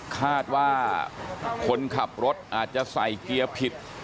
คาดว่าคนขับรถอาจจะใส่เกียร์ผิด